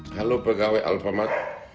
halo pegawai alfamart